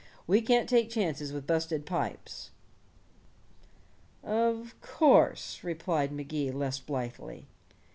We can't take chances with busted pipes." "Of course," replied Magee less blithely.